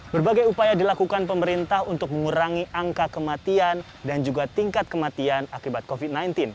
berbagai upaya dilakukan pemerintah untuk mengurangi angka kematian dan juga tingkat kematian akibat covid sembilan belas